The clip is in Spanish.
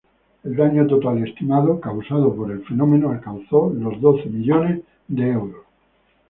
El daño total estimado causado por el fenómeno alcanzó los doce millones de dólares.